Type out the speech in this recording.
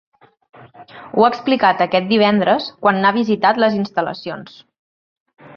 Ho ha explicat aquest divendres, quan n’ha visitat les instal·lacions.